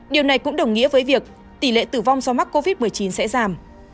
điều này cũng đồng nghĩa với việc tỷ lệ tử vong do mắc covid một mươi chín sẽ giảm